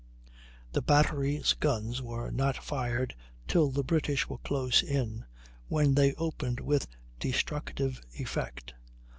The battery's guns were not fired till the British were close in, when they opened with destructive effect.